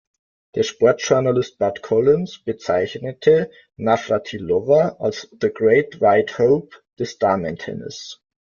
Der Sportjournalist Bud Collins bezeichnete Navratilova als „The Great Wide Hope“ des Damentennis.